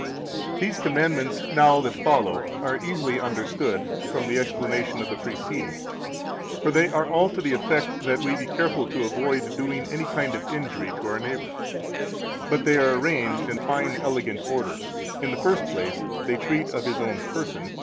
200 These commandments now [that follow] are easily understood from [the explanation of] the preceding; for they are all to the effect that we [be careful to] avoid doing any kind of injury to our neighbor. But they are arranged in fine [elegant] order. In the first place, they treat of his own person.